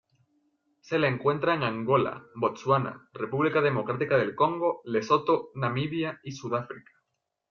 Se la encuentra en Angola, Botswana, República Democrática del Congo, Lesoto, Namibia, y Sudáfrica.